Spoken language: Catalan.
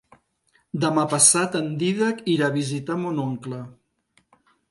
Demà passat en Dídac irà a visitar mon oncle.